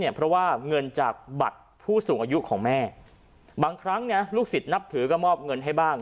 เพราะว่าเงินจากบัตรผู้สูงอายุของแม่บางครั้งลูกศิษย์นับถือก็มอบเงินให้บ้าง